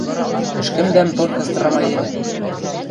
Ӹшкӹмдӓм толькы страмаедӓ!..